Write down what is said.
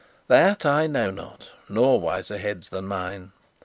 That I know not, nor wiser heads than mine.